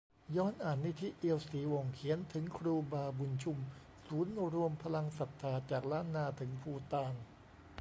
ย้อนอ่าน 'นิธิ เอียวศรีวงศ์' เขียนถึง 'ครูบาบุญชุ่ม' ศูนย์รวมพลังศรัทธาจากล้านนาถึงภูฏาน